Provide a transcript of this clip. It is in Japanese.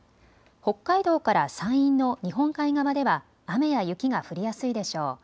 北海道から山陰の日本海側では雨や雪が降りやすいでしょう。